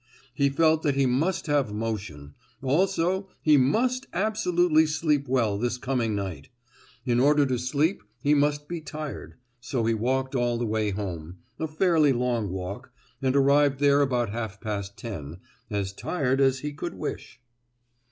He felt that he must have motion; also he must absolutely sleep well this coming night: in order to sleep he must be tired; so he walked all the way home—a fairly long walk, and arrived there about half past ten, as tired as he could wish.